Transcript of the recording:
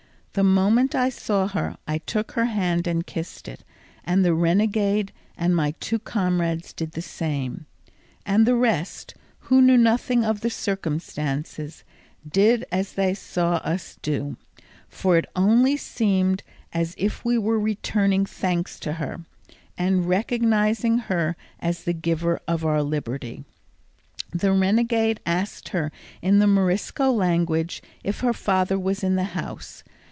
The moment I saw her I took her hand and kissed it, and the renegade and my two comrades did the same; and the rest, who knew nothing of the circumstances, did as they saw us do, for it only seemed as if we were returning thanks to her, and recognising her as the giver of our liberty. The renegade asked her in the Morisco language if her father was in the house.